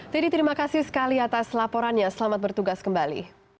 teddy terima kasih sekali atas laporannya selamat bertugas kembali